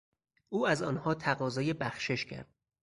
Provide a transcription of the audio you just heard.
او از آنها تقاضای بخشش کرد.